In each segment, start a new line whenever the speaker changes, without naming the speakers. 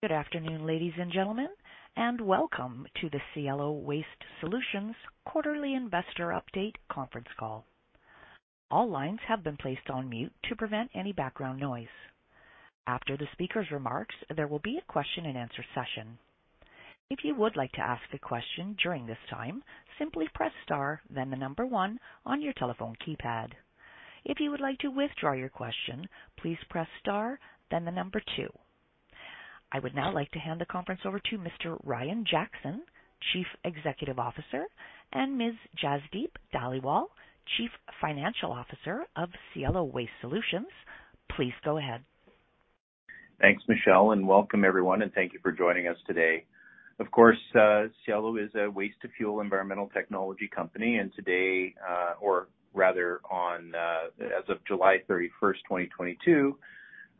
Good afternoon, ladies and gentlemen, and welcome to the Cielo Waste Solutions quarterly investor update conference call. All lines have been placed on mute to prevent any background noise. After the speaker's remarks, there will be a question-and-answer session. If you would like to ask a question during this time, simply press star then the number one on your telephone keypad. If you would like to withdraw your question, please press star then the number two. I would now like to hand the conference over to Mr. Ryan Jackson, Chief Executive Officer, and Ms. Jasdeep Dhaliwal, Chief Financial Officer of Cielo Waste Solutions. Please go ahead.
Thanks, Michelle, and welcome everyone and thank you for joining us today. Of course, Cielo is a waste-to-fuel environmental technology company and today, or rather on, as of July 31st, 2022,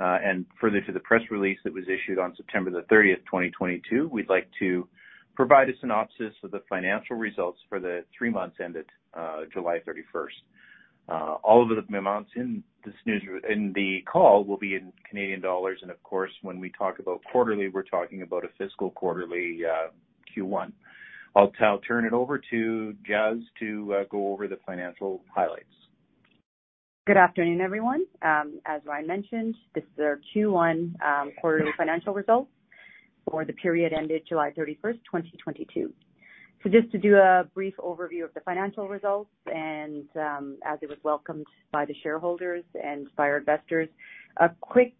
and further to the press release that was issued on September the 30th, 2022, we'd like to provide a synopsis of the financial results for the three months ended July 31st. All of the amounts in the call will be in Canadian dollars. Of course, when we talk about quarterly, we're talking about a fiscal quarterly, Q1. I'll turn it over to Jas to go over the financial highlights.
Good afternoon, everyone. As Ryan mentioned, this is our Q1 quarterly financial results for the period ended July 31st, 2022. Just to do a brief overview of the financial results and, as it was welcomed by the shareholders and by our investors, a quick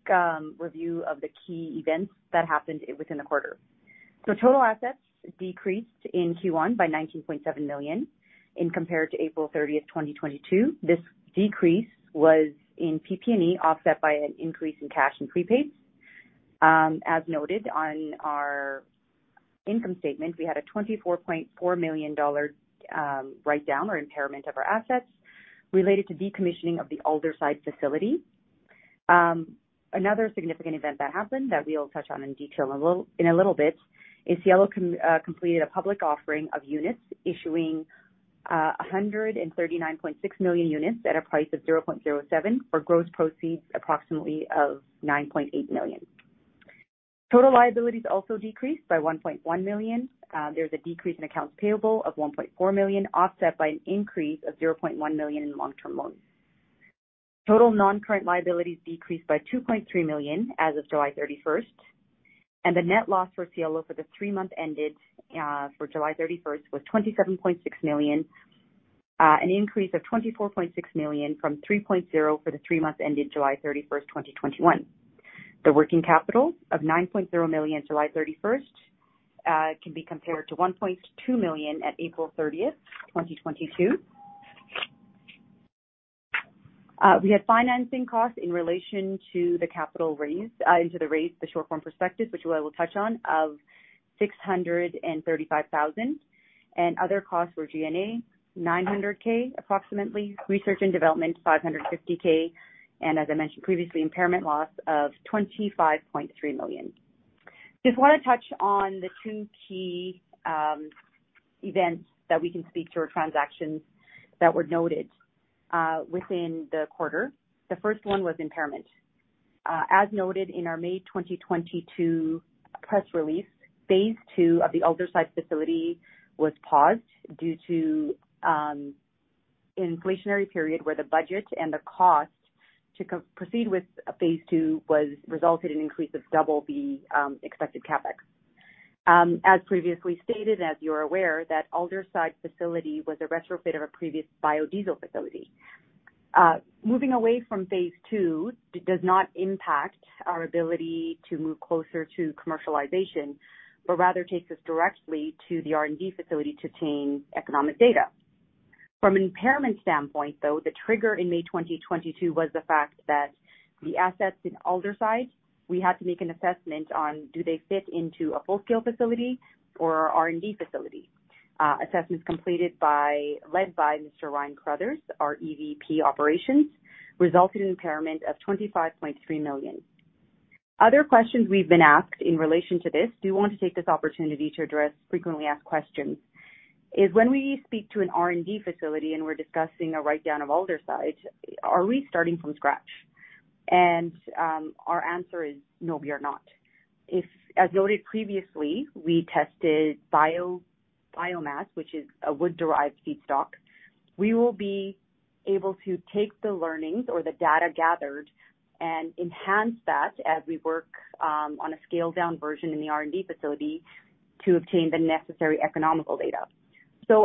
review of the key events that happened within the quarter. Total assets decreased in Q1 by 19.7 million compared to April 30th, 2022. This decrease was in PP&E, offset by an increase in cash and prepaids. As noted on our income statement, we had a 24.4 million dollar write down or impairment of our assets related to decommissioning of the Aldersyde facility. Another significant event that happened that we'll touch on in detail in a little bit is Cielo completed a public offering of units issuing 139.6 million units at a price of 0.07 for gross proceeds approximately of 9.8 million. Total liabilities also decreased by 1.1 million. There's a decrease in accounts payable of 1.4 million, offset by an increase of 0.1 million in long-term loans. Total non-current liabilities decreased by 2.3 million as of July 31st, and the net loss for Cielo for the three months ended July 31st was 27.6 million, an increase of 24.6 million from 3.0 million for the three months ended July 31st, 2021. The working capital of 9.0 million July 31st can be compared to 1.2 million at April 30th, 2022. We had financing costs in relation to the capital raise, into the raise, the short form prospectus, which I will touch on, of 635 thousand and other costs were G&A, 900 K approximately, Research and Development, 550 thousand and as I mentioned previously, impairment loss of 25.3 million. Just want to touch on the two key events that we can speak to, or transactions that were noted within the quarter. The first one was impairment. As noted in our May 2022 press release, phase two of the Aldersyde facility was paused due to inflationary period where the budget and the cost to proceed with phase II was resulted in increase of double the expected CapEx. As previously stated, as you're aware that Aldersyde facility was a retrofit of a previous biodiesel facility. Moving away from phase II does not impact our ability to move closer to commercialization, but rather takes us directly to the R&D facility to obtain economic data. From an impairment standpoint, though, the trigger in May 2022 was the fact that the assets in Aldersyde, we had to make an assessment on do they fit into a full-scale facility or a R&D facility. Assessments led by Mr. Ryan Carruthers, our EVP Operations, resulted in impairment of 25.3 million. Other questions we've been asked in relation to this. We want to take this opportunity to address frequently asked questions. It is when we speak to an R&D facility and we're discussing a write down of Aldersyde, are we starting from scratch? Our answer is no, we are not. As noted previously, we tested biomass which is a wood-derived feedstock. We will be able to take the learnings or the data gathered and enhance that as we work on a scaled-down version in the R&D facility to obtain the necessary economic data.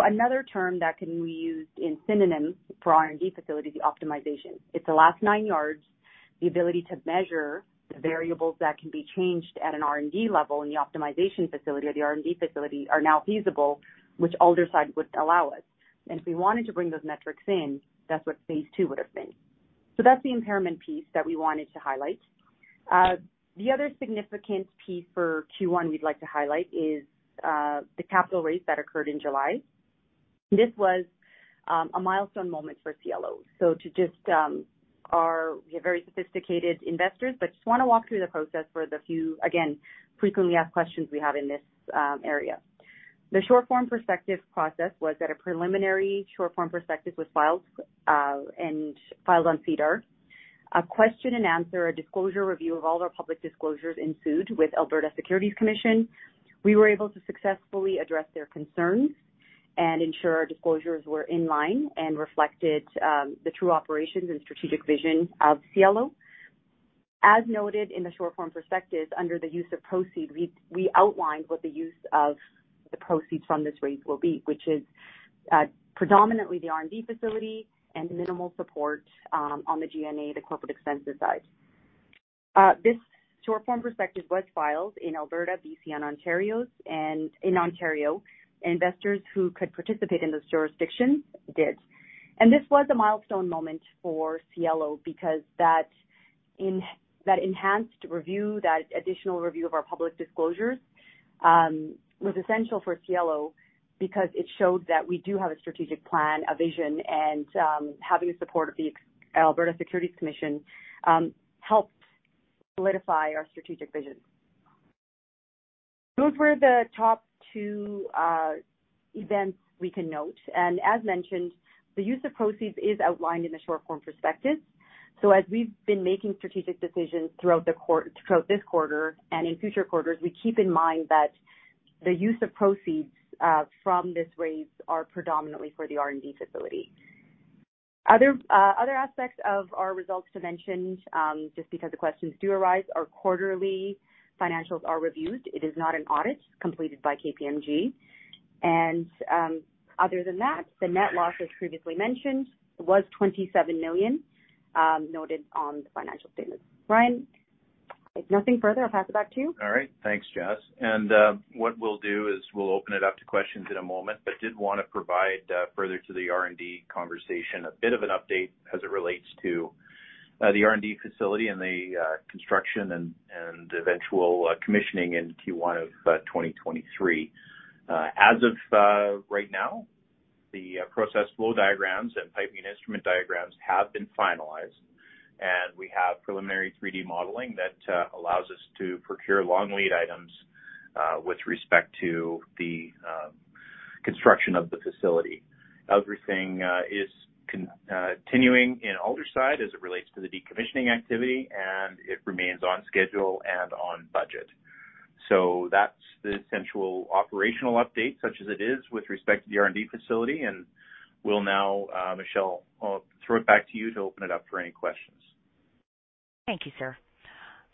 Another term that can be used in synonyms for R&D facility, optimization. It's the last nine yards, the ability to measure the variables that can be changed at an R&D level in the optimization facility or the R&D facility are now feasible, which Aldersyde would allow us. If we wanted to bring those metrics in, that's what phase two would have been. That's the impairment piece that we wanted to highlight. The other significant piece for Q1 we'd like to highlight is the capital raise that occurred in July. This was a milestone moment for Cielo. We have very sophisticated investors, but just wanna walk through the process for the few, again, frequently asked questions we have in this area. The short form prospectus process was that a preliminary short form prospectus was filed and filed on SEDAR. A question-and-answer, a disclosure review of all our public disclosures ensued with Alberta Securities Commission. We were able to successfully address their concerns and ensure our disclosures were in line and reflected the true operations and strategic vision of Cielo. As noted in the short form prospectus, under the use of proceeds, we outlined what the use of the proceeds from this rate will be, which is predominantly the R&D facility and minimal support on the G&A, the corporate expenses side. This short form prospectus was filed in Alberta, BC, and Ontario. Investors who could participate in those jurisdictions did. This was a milestone moment for Cielo because that enhanced review, that additional review of our public disclosures, was essential for Cielo because it showed that we do have a strategic plan, a vision, and having the support of the Alberta Securities Commission helped solidify our strategic vision. Those were the top two events we can note. As mentioned, the use of proceeds is outlined in the short form prospectus. As we've been making strategic decisions throughout this quarter and in future quarters, we keep in mind that the use of proceeds from this raise are predominantly for the R&D facility. Other aspects of our results to mention, just because the questions do arise, our quarterly financials are reviewed. It is not an audit completed by KPMG. Other than that, the net loss, as previously mentioned, was 27 million noted on the financial statements. Ryan, if nothing further, I'll pass it back to you.
All right. Thanks, Jas. What we'll do is we'll open it up to questions in a moment. Did wanna provide further to the R&D conversation, a bit of an update as it relates to the R&D facility and the construction and eventual commissioning in Q1 of 2023. As of right now, the process flow diagrams and piping instrument diagrams have been finalized, and we have preliminary 3D modeling that allows us to procure long lead items with respect to the construction of the facility. Everything is continuing in Aldersyde as it relates to the decommissioning activity, and it remains on schedule and on budget. That's the essential operational update, such as it is, with respect to the R&D facility. We'll now, Michelle, I'll throw it back to you to open it up for any questions.
Thank you, sir.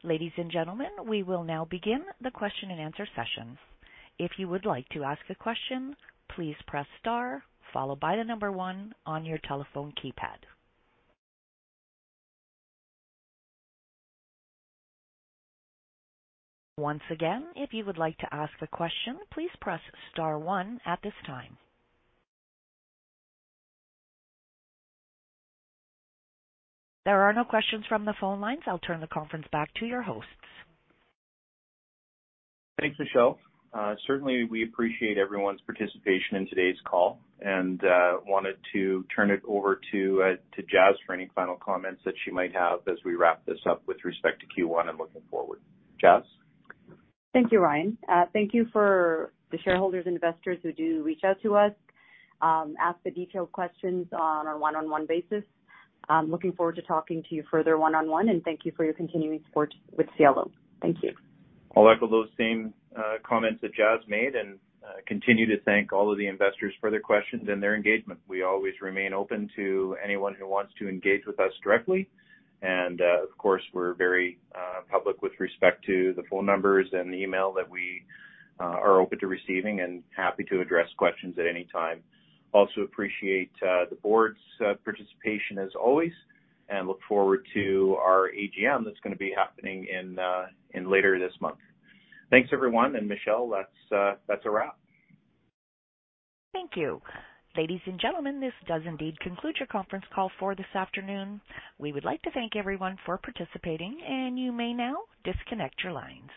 Ladies and gentlemen, we will now begin the question and answer session. If you would like to ask a question, please press star followed by the number one on your telephone keypad. Once again, if you would like to ask a question, please press star one at this time. There are no questions from the phone lines. I'll turn the conference back to your hosts.
Thanks, Michelle. Certainly we appreciate everyone's participation in today's call and wanted to turn it over to Jas for any final comments that she might have as we wrap this up with respect to Q1 and looking forward. Jas?
Thank you, Ryan. Thank you for the shareholders and investors who do reach out to us, ask the detailed questions on a one-on-one basis. I'm looking forward to talking to you further one-on-one, and thank you for your continuing support with Cielo. Thank you.
I'll echo those same comments that Jas made and continue to thank all of the investors for their questions and their engagement. We always remain open to anyone who wants to engage with us directly. Of course, we're very public with respect to the phone numbers and the email that we are open to receiving and happy to address questions at any time. Also appreciate the board's participation as always, and look forward to our AGM that's gonna be happening in later this month. Thanks, everyone. Michelle, that's a wrap.
Thank you. Ladies and gentlemen, this does indeed conclude your conference call for this afternoon. We would like to thank everyone for participating, and you may now disconnect your lines.